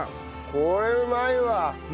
これうまいわ。